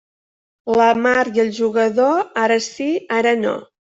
La mar i el jugador, ara sí, ara no.